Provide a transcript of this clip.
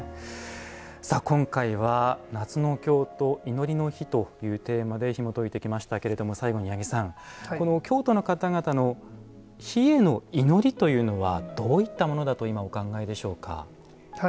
今回は、「夏の京都祈りの火」というテーマでひもといていきましたけど最後に八木さん、京都の方々の火への祈りというのはどういったものだと今、お考えでしょうか？